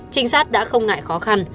trinh sát đã không ngại khó khăn